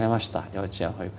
幼稚園保育園。